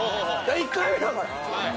１回目だから。